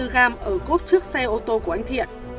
một bốn trăm tám mươi bốn g ở cốp trước xe ô tô của anh thiện